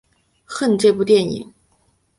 恨这部电影！